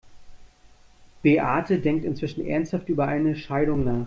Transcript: Beate denkt inzwischen ernsthaft über eine Scheidung nach.